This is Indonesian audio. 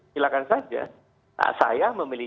silakan saja saya memilih